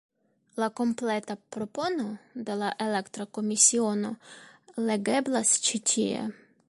La kompleta propono de la elekta komisiono legeblas ĉi tie.